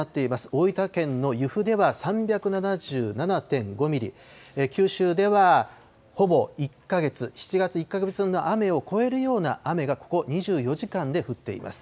大分県の由布では３７７．５ミリ、九州ではほぼ１か月、７月１か月分の雨を超えるような雨がここ２４時間で降っています。